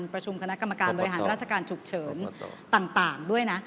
ประชุมคณะกรรมการบริหารราชการฉุกเฉินต่างด้วยนะ